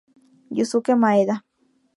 Yusuke Maeda